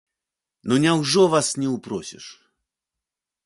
Ну няўжо вас не ўпросіш?!